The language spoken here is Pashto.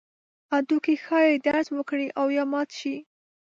هډوکي ښایي درز وکړي او یا مات شي.